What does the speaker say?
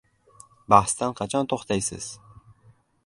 Bahsdan qachon to‘xtaysiz?!